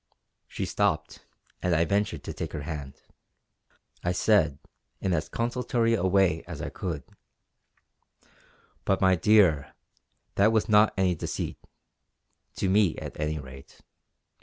She stopped and I ventured to take her hand. I said in as consolatory a way as I could: "But my dear, that was not any deceit to me at any rate.